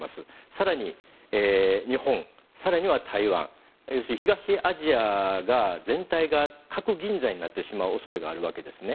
更に日本、更には台湾要するに東アジア全体が核になってしまう恐れがあるわけですね。